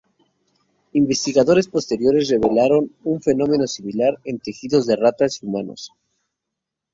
Investigaciones posteriores revelaron un fenómeno similar en tejidos de ratas y humanos.